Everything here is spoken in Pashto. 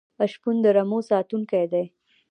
شپون د رمو ساتونکی دی.